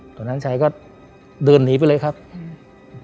ตอนนั้นชัยก็เดินหนีไปเลยครับอืม